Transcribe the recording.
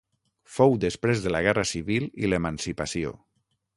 Fou després de la Guerra Civil i l'emancipació.